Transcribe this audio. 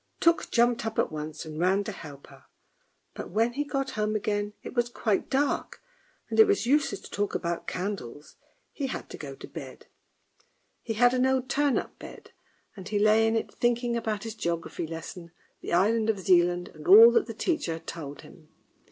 " Tuk jumped up at once and ran to help her, but when he got home again it was quite dark, and it was useless to talk about candles, he had to go to bed. He had an old turn up 170 LITTLE TUK 171 bed, and he lay in it thinking about his geography lesson, the island of Zealand, and all that the teacher had told him.